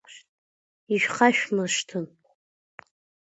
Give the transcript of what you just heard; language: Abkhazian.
Ишәхашәмыршҭын…